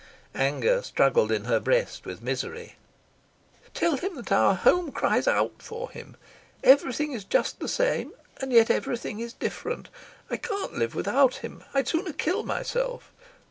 Anger struggled in her breast with misery. "Tell him that our home cries out for him. Everything is just the same, and yet everything is different. I can't live without him. I'd sooner kill myself.